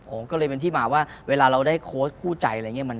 ผมก็เลยเป็นที่มาว่าเวลาเราได้โค้ชคู่ใจอะไรอย่างนี้